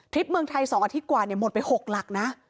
เมืองไทย๒อาทิตย์กว่าหมดไป๖หลักนะ